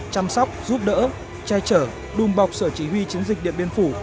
chăm sóc giúp đỡ trai trở đùm bọc sở chỉ huy chiến dịch điện biên phủ